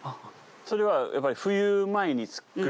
それはやっぱり冬前に作る。